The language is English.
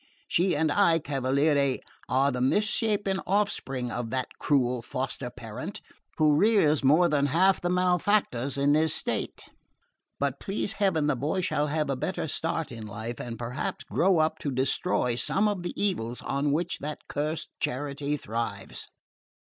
She and I, cavaliere, are the misshapen offspring of that cruel foster parent, who rears more than half the malefactors in the state; but please heaven the boy shall have a better start in life, and perhaps grow up to destroy some of the evils on which that cursed charity thrives."